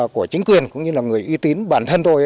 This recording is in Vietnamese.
của chính quyền cũng như là người uy tín bản thân tôi